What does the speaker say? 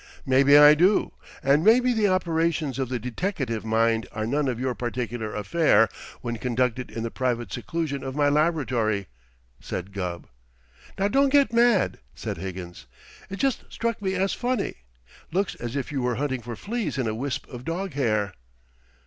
"Maybe I do, and maybe the operations of the deteckative mind are none of your particular affair when conducted in the private seclusion of my laboratory," said Gubb. "Now, don't get mad," said Higgins. "It just struck me as funny. Looks as if you were hunting for fleas in a wisp of dog hair."